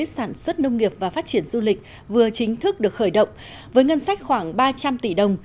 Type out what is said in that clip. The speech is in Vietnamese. sản xuất nông nghiệp và phát triển du lịch vừa chính thức được khởi động với ngân sách khoảng ba trăm linh tỷ đồng